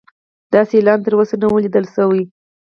داسې اعلان تر اوسه نه و لیدل شوی.